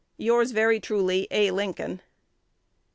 Yours very truly, A. Lincoln.